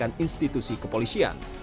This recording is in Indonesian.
menyelekan institusi kepolisian